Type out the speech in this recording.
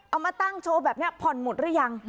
เอามาตั้งโชว์แบบนี้ผ่อนหมดหรือยัง